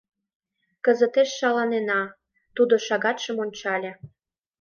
— Кызытеш шаланена, — тудо шагатшым ончале.